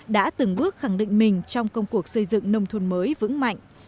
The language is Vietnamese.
đã từng bước khẳng định mình trong công cuộc xây dựng nông thôn mới vững mạnh